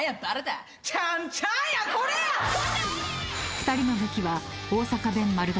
［２人の武器は］